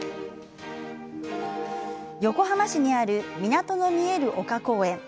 横浜市にある港の見える丘公園。